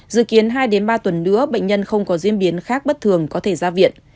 dự kiến hai ba tuần nữa bệnh nhân không có diễn biến khác bất thường có thể ra viện